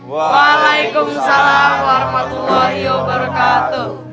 waalaikumsalam warahmatullahi wabarakatuh